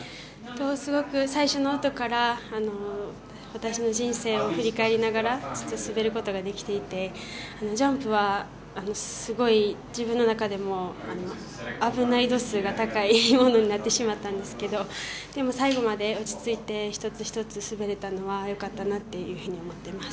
すごく最初のところから私の人生を振り返りながら滑ることができてジャンプはすごい自分の中でも危ない度数が高いものになってしまったんですけどでも最後まで落ち着いて１つ１つ滑れたのは良かったなと思っています。